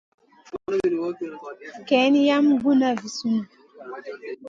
Kay yam guna vi sunù.